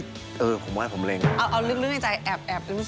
ก็เลยหลังจากนั้นก็เลยได้สืบ